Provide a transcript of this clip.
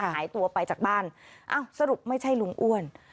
หายตัวไปจากบ้านอ้าวสรุปไม่ใช่ลุงอ้วน